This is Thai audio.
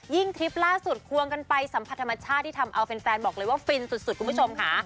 ทริปล่าสุดควงกันไปสัมผัสธรรมชาติที่ทำเอาแฟนบอกเลยว่าฟินสุดคุณผู้ชมค่ะ